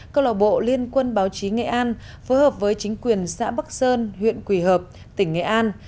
câu lạc bộ liên quân báo chí nghệ an phối hợp với chính quyền xã bắc sơn huyện quỳ hợp tỉnh nghệ an